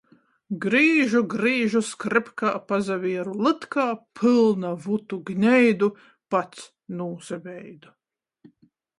Grīžu, grīžu skrypkā, pasavieru lytkā – pylna vutu, gneidu, pats nūsabeidu!